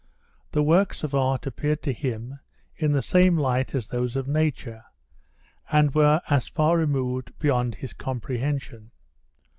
The works of art appeared to him in the same light as those of nature, and were as far removed beyond his comprehension.